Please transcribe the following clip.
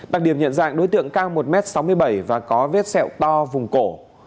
đặc điểm nhận dạng đối tượng cao một m sáu mươi bảy và có vết sẹo to vùng cổ